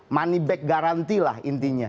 money back guarantee lah intinya